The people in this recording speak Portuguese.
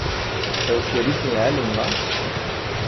É o xerife Helen lá?